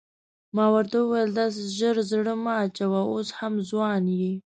ما ورته وویل داسې ژر زړه مه اچوه اوس هم ځوان یې.